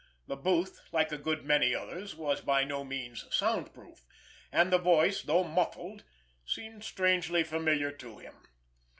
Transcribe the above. The booth, like a good many others, was by no means sound proof, and the voice, though muffled seemed strangely familiar to him.